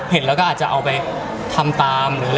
เห็นแล้วก็อาจจะเอาไปทำตามหรือ